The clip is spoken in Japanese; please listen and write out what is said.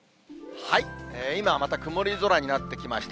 今、また曇り空になってきました。